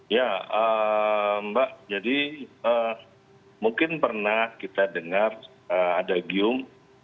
ya mbak jadi mungkin pernah kita dengar ada gium